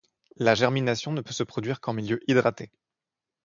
La germination ne peut se produire qu’en milieu hydraté.